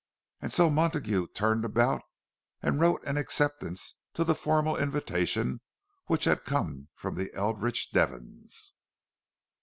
And so Montague turned about and wrote an acceptance to the formal invitation which had come from the Eldridge Devons.